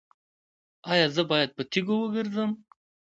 ایا زه باید په تیږو وګرځم؟